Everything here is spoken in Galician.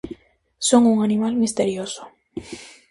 Son un animal misterioso.